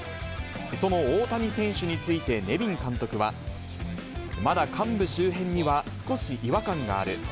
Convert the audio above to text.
その大谷選手について、ネビン監督は、まだ患部周辺には少し違和感がある。